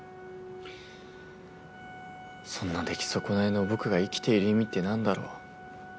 そんな出来損ないの僕が生きている意味って何だろう？